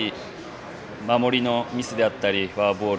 守りのミスであったりフォアボール。